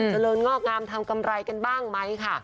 เจริญงอกงามทำกำไรกันบ้างไหมค่ะ